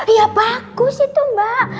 ya bagus itu mbak